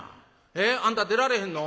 えあんた出られへんの？